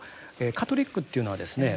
カトリックというのはですね